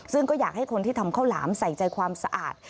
ซึ่งก็อยากให้คนที่ทำข้าวหลามใส่ใจความสะอาด